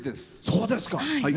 そうですか！